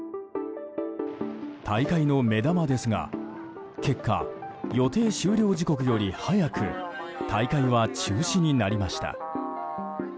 大会の目玉ですが結果、予定終了時刻より早く大会は中止になりました。